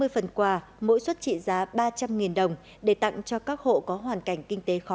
hai trăm năm mươi phần quà mỗi suất trị giá ba trăm linh đồng